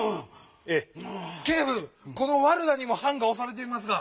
このワルダにもはんがおされていますが。